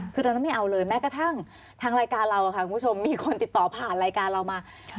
คือตอนนั้นไม่เอาเลยแม้กระทั่งทางรายการเราค่ะคุณผู้ชมมีคนติดต่อผ่านรายการเรามา